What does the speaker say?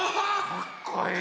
かっこいい！